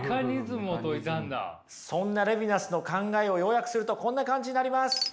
そんなレヴィナスの考えを要約するとこんな感じになります。